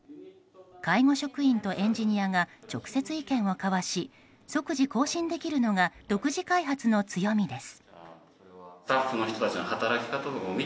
介護職員とエンジニアが直接、意見を交わし即時更新できるのが独自開発の強みです。